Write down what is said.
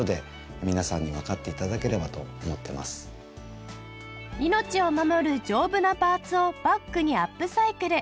上村さんが命を守る丈夫なパーツをバッグにアップサイクル